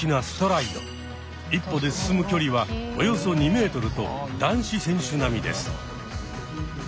一歩で進む距離はおよそ２ｍと男子選手並みです。